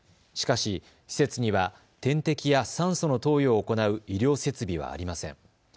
しかし施設には点滴や酸素の投与を行う医療設備はありません。